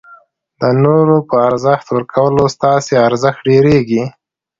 د نورو په ارزښت ورکولو ستاسي ارزښت ډېرېږي.